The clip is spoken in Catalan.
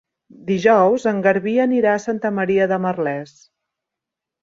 Dijous en Garbí anirà a Santa Maria de Merlès.